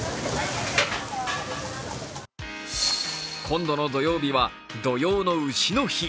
今度の土曜日は土用の丑の日。